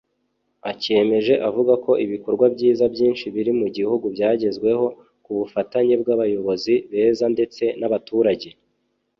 Akemeje avuga ko ibikorwa byiza byinshi biri mu gihugu byagezweho ku bufatanye bw’abayobozi beza ndetse n’abaturage